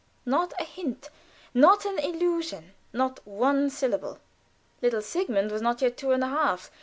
Not a hint; not an allusion; not one syllable. Little Sigmund was not yet two and a half.